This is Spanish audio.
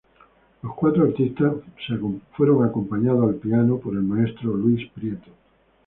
Los cuatro artistas fueron acompañados al piano por el maestro Luis Prieto".